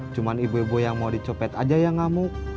cuma ibu ibu yang mau dicopet aja yang ngamuk